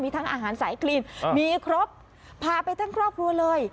ทั้งอาหารสายคลีนมีครบพาไปทั้งครอบครัวเลย